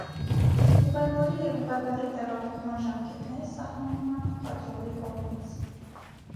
Ուղևորի և ուղեբեռի տեղափոխման ժամկետները սահմանվում են փոխադրողի կողմից։